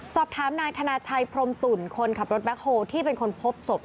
สอบถามนายธนาชัยพรมตุ่นคนขับรถแบ็คโฮลที่เป็นคนพบศพ